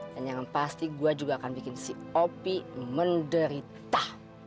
dan yang pasti gue juga akan bikin si opie menderita